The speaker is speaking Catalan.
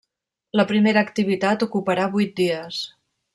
La primera activitat ocuparà vuit dies.